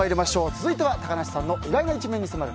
続いては高梨さんの意外な一面に迫る